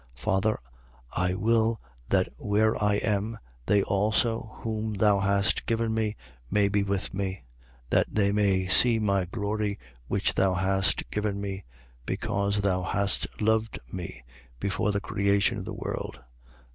17:24. Father, I will that where I am, they also whom thou hast given me may be with me: that they may see my glory which thou hast given me, because thou hast loved me before the creation of the world.